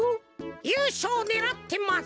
ゆうしょうねらってます。